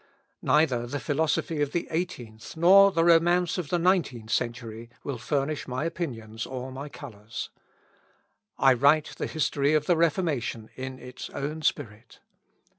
Neither the philosophy of the eighteenth, nor the romance of the nineteenth century, will furnish my opinions or my colours. I write the history of the Reformation in its own spirit.